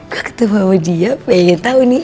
waktu bawa dia pengen tahu nih